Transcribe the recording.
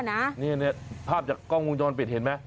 นี่ภาพจากกล้องวงจรปิดเห็นไหม